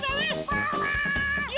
ワンワーン！